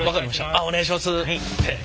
あっお願いします。